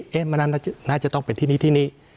เพราะฉะนั้นน่าจะต้องเป็นที่นี้ที่นี้